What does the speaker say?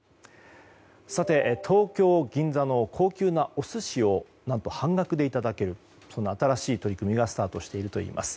東京・銀座の高級なお寿司を何と半額でいただけるそんな新しい取り組みがスタートしているといいます。